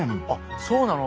そうなの？